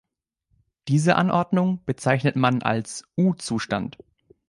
Diese Anordnung bezeichnet man als U-Zustand.